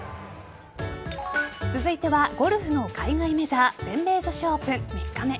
続いてはゴルフの海外メジャー全米女子オープン３日目。